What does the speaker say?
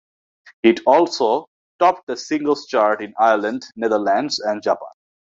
It also topped the singles chart in Ireland, Netherlands, and Japan.